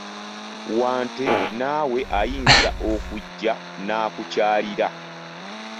Wante naawe ayinza okujja n'akukyalira!